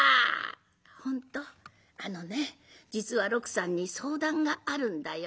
あのね実は六さんに相談があるんだよ」。